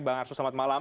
bang arsul selamat malam